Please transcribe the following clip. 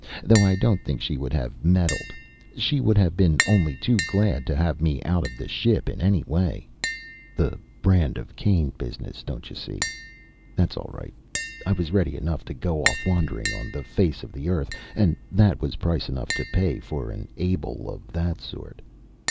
Though I don't think she would have meddled. She would have been only too glad to have me out of the ship in any way. The 'brand of Cain' business, don't you see. That's all right. I was ready enough to go off wandering on the face of the earth and that was price enough to pay for an Abel of that sort.